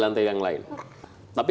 lam kaya pasir juga